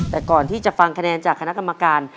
แต่ก่อนที่จะฟังคะแนนจากคณะกรรมการ